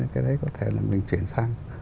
cái đấy có thể là mình chuyển sang